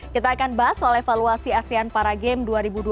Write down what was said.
kita akan bahas soal evaluasi asean para games dua ribu dua puluh tiga